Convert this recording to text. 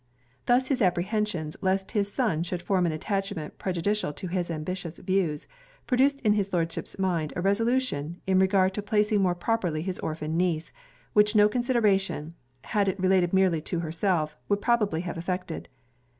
Thus his apprehensions lest his son should form an attachment prejudicial to his ambitious views, produced in his Lordship's mind a resolution in regard to placing more properly his orphan niece, which no consideration, had it related merely to herself, would probably have effected.